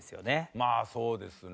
まあそうですね。